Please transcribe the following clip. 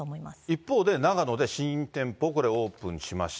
一方で、長野で新店舗、これ、オープンしました。